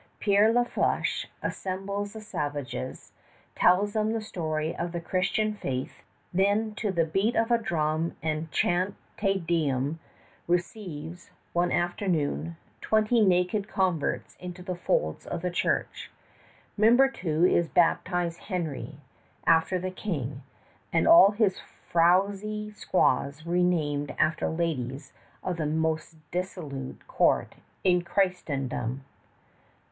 Père La Fléché assembles the savages, tells them the story of the Christian faith, then to the beat of drum and chant of "Te Deum" receives, one afternoon, twenty naked converts into the folds of the church. Membertou is baptized Henry, after the King, and all his frowsy squaws renamed after ladies of the most dissolute court in Christendom.